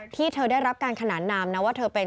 ที่เธอได้รับการขนานนามนะว่าเธอเป็น